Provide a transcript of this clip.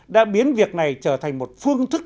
đã biến việc này trở thành một phương thức